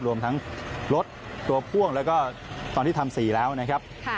รวมทั้งรถตัวพ่วงแล้วก็ตอนที่ทำสีแล้วนะครับ